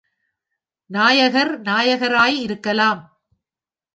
நாயகர் நாயகராய் இருக்கலாம்.